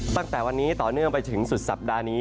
ตั้งแต่วันนี้ต่อเนื่องไปถึงสุดสัปดาห์นี้